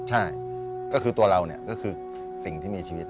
ใช่ก็คือตัวเราเนี่ยก็คือสิ่งที่มีชีวิต